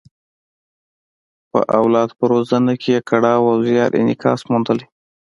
په اولاد په روزنه کې یې کړاو او زیار انعکاس موندلی.